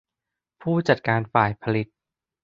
ผู้จัดการฝ่ายผลิต